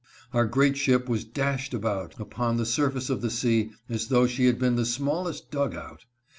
Our great ship was dashed about upon the surface of the sea as though she had been the smallest " dug out."